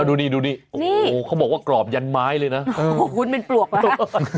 ดูนี่ดูดิโอ้โหเขาบอกว่ากรอบยันไม้เลยนะโอ้โหคุ้นเป็นปลวกแล้วนะ